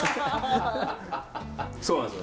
そうなんですよ。